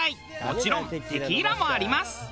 もちろんテキーラもあります。